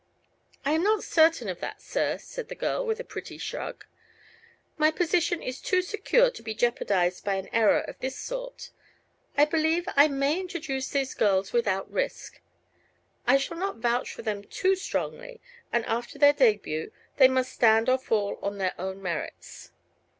"I am not certain of that, sir," said the girl, with a pretty shrug. "My position is too secure to be jeopardized by any error of this sort. I believe I may introduce these girls without risk. I shall not vouch for them too strongly, and after their debut they must stand or fall on their own merits."